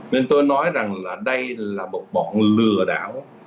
nên tôi nói rằng là đây là một bọn lừa đảo